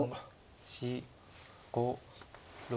４５６７。